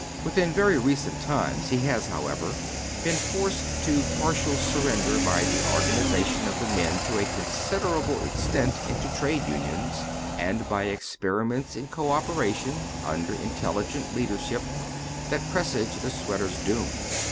Within very recent times lie has, how ever, been forced to partial surrender by tlie organization oy Google THE SWEATERS OF JEWTOWN. 123 of the men to a considerable extent into trades unions, and b^ experiments in co operation, under intelligent lead enjiip, that presage the sweater's doom.